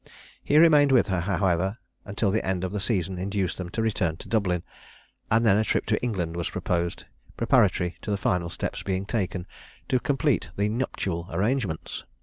He remained with her, however, until the end of the season induced them to return to Dublin; and then a trip to England was proposed, preparatory to the final steps being taken to complete the nuptial arrangements.